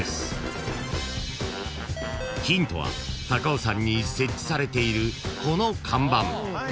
［ヒントは高尾山に設置されているこの看板］